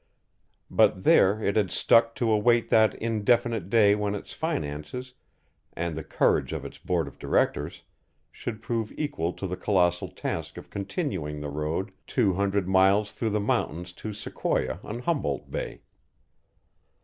But there it had stuck to await that indefinite day when its finances and the courage of its board of directors should prove equal to the colossal task of continuing the road two hundred miles through the mountains to Sequoia on Humboldt Bay.